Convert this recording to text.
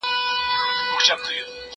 زه به سندري اورېدلي وي!؟